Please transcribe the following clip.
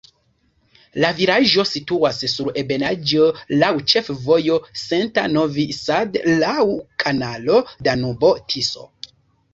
La vilaĝo situas sur ebenaĵo, laŭ ĉefvojo Senta-Novi Sad, laŭ kanalo Danubo-Tiso.